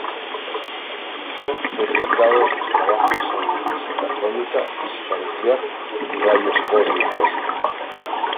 Son destacados sus trabajos sobre física atómica, física nuclear y rayos cósmicos.